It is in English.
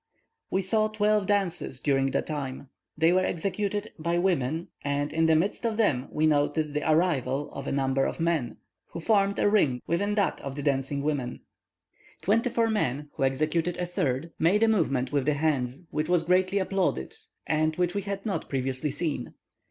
We saw twelve dances during the time. They were executed by women, and in the midst of them we noticed the arrival of a number of men, who formed a ring within that of the dancing women. Twenty four men, who executed a third, made a movement with the hands, which was greatly applauded, and which we had not previously seen.